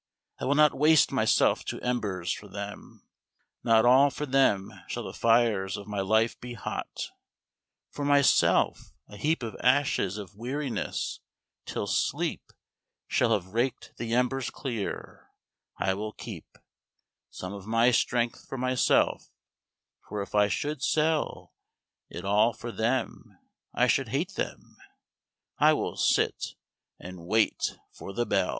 I will not waste myself to embers for them, Not all for them shall the fires of my life be hot, For myself a heap of ashes of weariness, till sleep Shall have raked the embers clear: I will keep Some of my strength for myself, for if I should sell It all for them, I should hate them I will sit and wait for the bell.